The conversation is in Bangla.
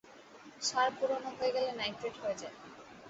সার পুরোনো হয়ে গেলে নাইট্রেট হয়ে যায়।